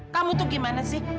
kamu tuh gimana sih